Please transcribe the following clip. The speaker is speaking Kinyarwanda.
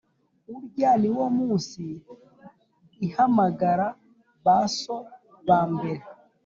Urya ni wo munsi ihamagara ba So ba mbere,